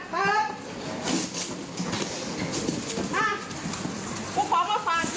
ผมสาวเขาแค่ไหน